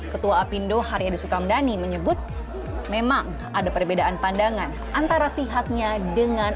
ketua apindo haryadi sukamdhani menyebut memang ada perbedaan pandangan antara pihaknya dengan